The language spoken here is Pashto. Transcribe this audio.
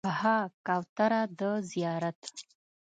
ها کوتره د زیارت